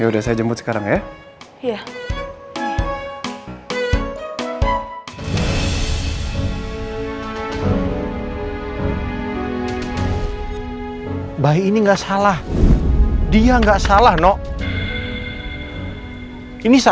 demi belain masa lalunya